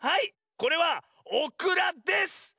これはオクラです！